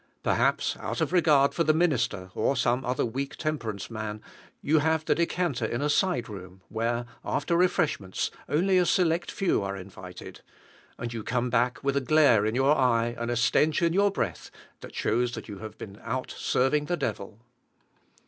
Perhaps, out of regard for the minister, or some other weak temperance man, you have the decanter in a side room, where, after refreshments, only a select few are invited; and you come back with a glare in your eye, and a stench in your breath, that shows that you have been out serving the devil.